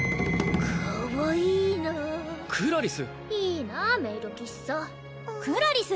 かわいいなクラリスいいなメイド喫茶クラリス